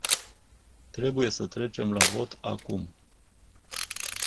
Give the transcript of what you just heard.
Trebuie să trecem la vot acum.